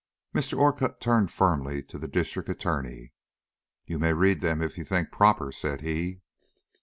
Mr. Orcutt turned firmly to the District Attorney: "You may read them if you think proper," said he.